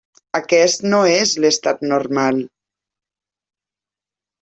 Aquest no és l'estat normal.